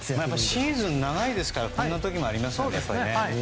シーズンは長いですからこんなときもありますね。